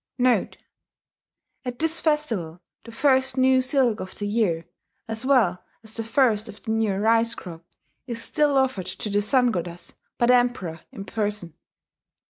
* [*At this festival the first new silk of the year, as well as the first of the new rice crop, is still offered to the Sun goddess by the Emperor in person.